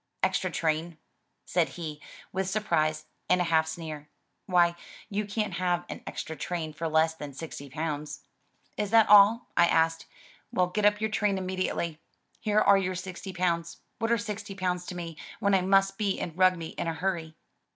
'* "Extra train," said he with surprise and a half sneer, "why you can't have an extra train for less than sixty pounds." 176 THE TREASURE CHEST Is that all?" I asked. "Well, get up your train immediately. Here are your sixty pounds. What are sixty pounds to me, when I must be in Rugby in a hurry?